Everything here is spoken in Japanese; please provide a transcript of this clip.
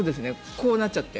こうなっちゃって。